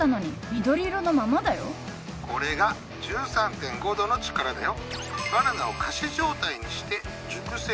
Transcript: これが１３．５度の力だよ。